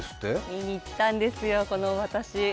見にいったんですよ、この私。